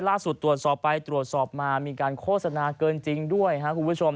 ล่าสุดตรวจสอบไปตรวจสอบมามีการโฆษณาเกินจริงด้วยครับคุณผู้ชม